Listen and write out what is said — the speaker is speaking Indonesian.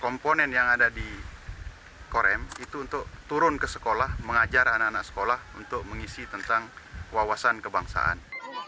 komponen yang ada di korem itu untuk turun ke sekolah mengajar anak anak sekolah untuk mengisi tentang wawasan kebangsaan